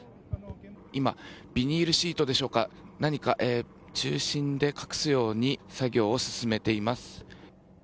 今、ビニールシートでしょうか何か中心で隠すように作業を進めています。